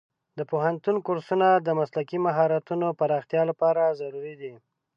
د پوهنتون کورسونه د مسلکي مهارتونو پراختیا لپاره ضروري دي.